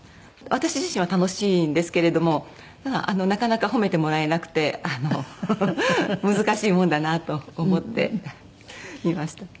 私自身は楽しいんですけれどもただなかなか褒めてもらえなくてあの難しいものだなと思っていました。